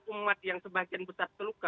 umat yang sebagian besar terluka